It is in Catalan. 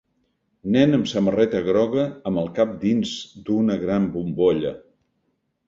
Nen amb samarreta groga amb el cap dins d'una gran bombolla.